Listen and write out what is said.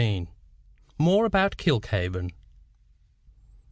MORE ABOUT KILKHAVEN.